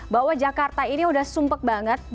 bahwa jakarta ini udah sumpek banget